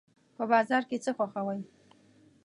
په بازار کې څه خوښوئ؟